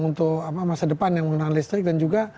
untuk masa depan yang menggunakan listrik dan juga